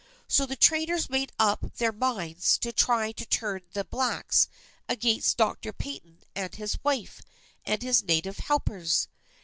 So the traders made up their minds to try to turn the blacks against Doctor Paton and his wife, and his native helpers.